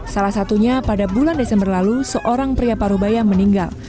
salah satunya pada bulan desember lalu seorang pria parubaya meninggal